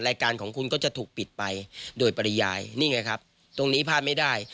รายการของคุณก็จะถูกปิดไปโดยปริยายนี่ไงครับตรงนี้พลาดไม่ได้